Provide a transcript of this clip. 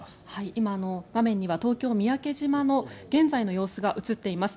今、画面には東京・三宅島の現在の様子が映っています。